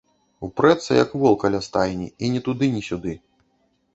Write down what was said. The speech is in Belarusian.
Упрэцца, як вол каля стайні, і ні туды, ні сюды.